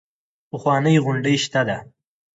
پخوانۍ غونډۍ شته ده.